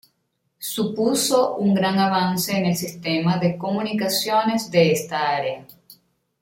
Supuso un gran avance en el sistema de comunicaciones de esta área.